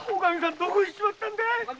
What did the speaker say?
どこ行っちまったんだ！